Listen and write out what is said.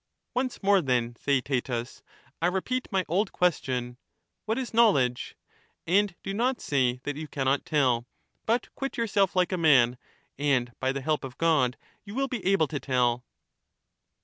Once more, then, Theaetetus, I repeat my old question, ' What is knowledge ?'— and do not say that you cannot tell ; but quit yourself like a man, and by the help of God you will be able to tell.